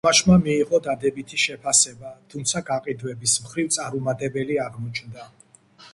თამაშმა მიიღო დადებითი შეფასება, თუმცა გაყიდვების მხრივ წარუმატებელი აღმოჩნდა.